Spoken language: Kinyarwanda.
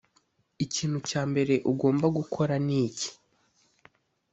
Ikintu cya mbere ugomba gukora ni iki.